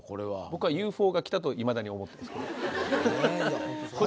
僕はＵＦＯが来たといまだに思っています。